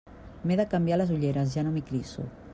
M'he de canviar les ulleres, ja no m'hi clisso.